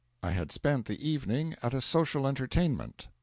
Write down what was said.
I had spent the evening at a social entertainment.